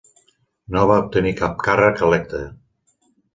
No va obtenir cap càrrec electe.